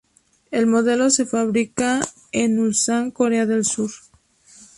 El modelo se fabrica en Ulsan, Corea del Sur.